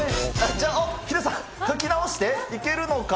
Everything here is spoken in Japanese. ヒデさん、書き直して、いけるのか？